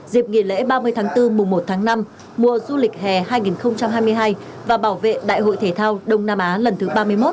dịp nghỉ lễ ba mươi tháng bốn mùa một tháng năm mùa du lịch hè hai nghìn hai mươi hai và bảo vệ đại hội thể thao đông nam á lần thứ ba mươi một